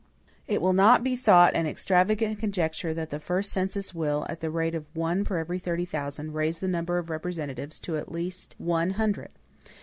It will not be thought an extravagant conjecture that the first census will, at the rate of one for every thirty thousand, raise the number of representatives to at least one hundred.